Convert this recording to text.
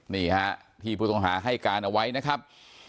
นี่ฮะที่ผู้ต้องหาให้การเอาไว้นะครับ